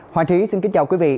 hoàng trí xin kính chào quý vị